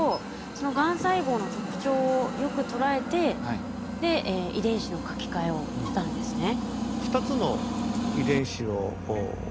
そのがん細胞の特徴をよく捉えてで遺伝子の書き換えをしたんですね。